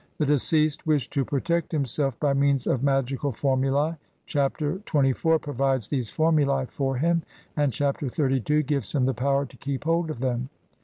The deceased washed to protect himself by means of magical formulae ; Chapter XXIV provides these formulae for him, and Chapter XXXII gives him the power to keep hold of them.